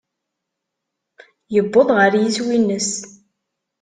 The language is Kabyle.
Yewweḍ ɣer yiswi-nnes.